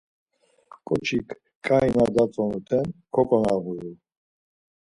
Ǩoçis ǩai na datzonuten koǩonağuru.